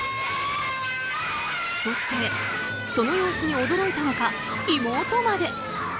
そして、その様子に驚いたのか妹まで。